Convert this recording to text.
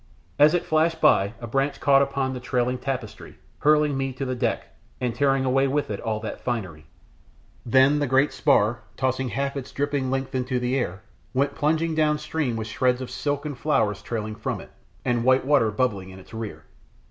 As it flashed by a branch caught upon the trailing tapestry, hurling me to the deck, and tearing away with it all that finery. Then the great spar, tossing half its dripping length into the air, went plunging downstream with shreds of silk and flowers trailing from it, and white water bubbling in its rear.